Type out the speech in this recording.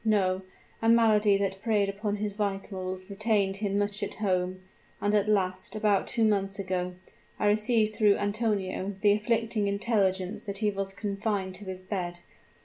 No: a malady that preyed upon his vitals retained him much at home; and at last, about two months ago, I received through Antonio the afflicting intelligence that he was confined to his bed.